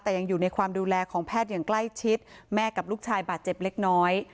แต่ยังอยู่ในความดูแลของแพทย์อย่างใกล้ชิดแม่กับลูกชายบาดเจ็บเล็กน้อย